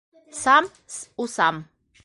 Сам с усам!